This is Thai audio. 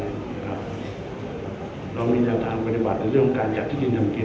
เรามีทางทางบริบาทในเรื่องการยักษ์ที่ดินทำกิน